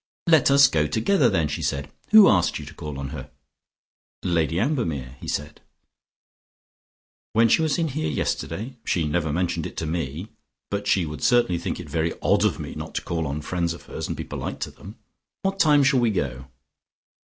"Let us go together then," she said. "Who asked you to call on her?" "Lady Ambermere," said he. "When she was in here yesterday? She never mentioned it to me. But she would certainly think it very odd of me not to call on friends of hers, and be polite to them. What time shall we go?"